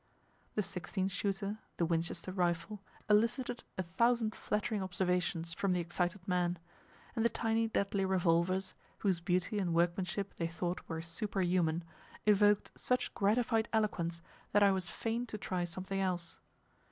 The "sixteen shooter," the Winchester rifle, elicited a thousand flattering observations from the excited man; and the tiny deadly revolvers, whose beauty and workmanship they thought were superhuman, evoked such gratified eloquence that I was fain to try something else.